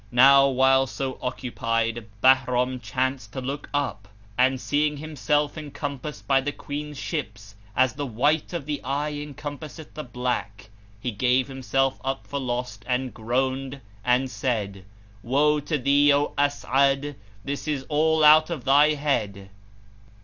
Now while so occupied, Bahram chanced to look up and, seeing himself encompassed by the Queen's ships, as the white of the eye encompasseth the black, he gave himself up for lost and groaned and said, "Woe to thee, O As'ad! This is all out of thy head."